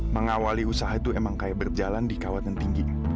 mengawali usaha itu emang kayak berjalan di kawatan tinggi